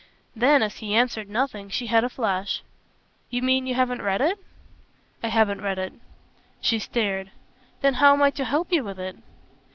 Then as he answered nothing she had a flash. "You mean you haven't read it?" "I haven't read it." She stared. "Then how am I to help you with it?"